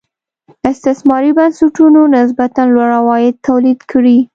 استثماري بنسټونو نسبتا لوړ عواید تولید کړي.